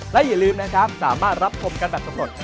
และอย่าลืมนะครับสามารถรับชมกันแบบสำรวจ